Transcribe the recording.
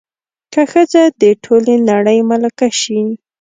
که ښځه د ټولې نړۍ ملکه شي